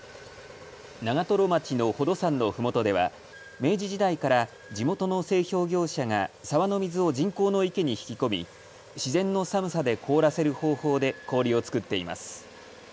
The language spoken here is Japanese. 長瀞町の宝登山のふもとでは明治時代から地元の製氷業者が沢の水を人工の池に引き込み自然の寒さで凍らせる方法で氷を作っています。